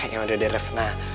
ya udah deh ref nah